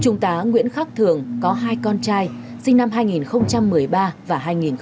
trung tá nguyễn khắc thường có hai con trai sinh năm hai nghìn một mươi ba và hai nghìn một mươi